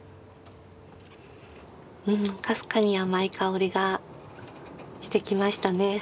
かすかに甘い香りがしてきましたね。